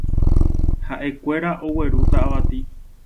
Ha'ekuéra oguerúta avati